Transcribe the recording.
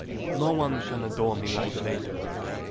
"No one can adore me like they do.